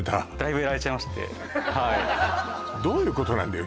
はいどういうことなんだよ